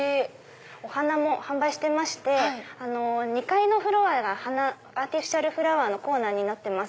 お花も販売してまして２階がアーティフィシャルフラワーのコーナーになってます。